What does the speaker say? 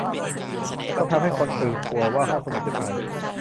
มันทำให้คนตื่นกลัวว่าห้องสมุดจะตาย